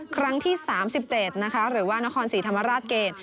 ครั้งที่๓๗นะคะหรือว่านครศรีธรรมราชเกต